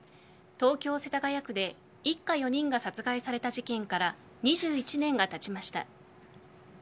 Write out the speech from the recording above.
東京・世田谷区で一家４人が殺害された事件から２１年がたちました。